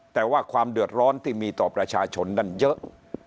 แต่ว่าความเดือดร้อนที่มีต่อประชาชนนั้นเยอะ